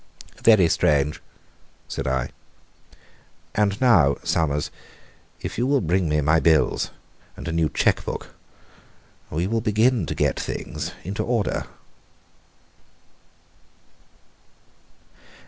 "Very strange," said I. "And now, Summers, if you will bring me my bills and a new cheque book, we will begin to get things into order."